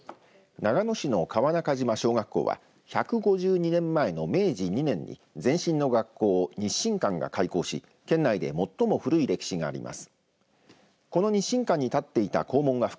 長野市の川中島小学校は１５２年前の明治２年に前身の学校、日新館が開校し県内で最も古い歴史があります。